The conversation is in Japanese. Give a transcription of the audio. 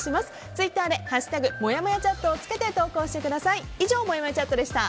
ツイッターで「＃もやもやチャット」をつけて投稿してください。